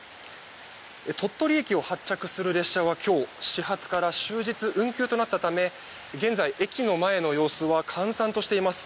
鳥取駅を発着する列車は今日始発から運休となったため現在、駅の前の様子は閑散としています。